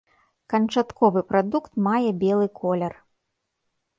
Канчатковы прадукт мае белы колер.